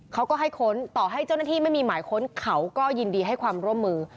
เขาก็ให้ค้นต่อให้เจ้าหน้าที่ไม่มีหมายค้นเขาก็ยินดีให้ความร่วมมือ